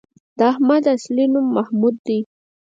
د احمد اصلی نوم محمود دی